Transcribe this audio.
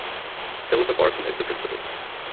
Philippa Barson is the principal.